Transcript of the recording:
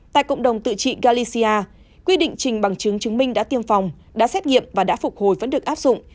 tại cộng đồng tự trị galisia quy định trình bằng chứng chứng minh đã tiêm phòng đã xét nghiệm và đã phục hồi vẫn được áp dụng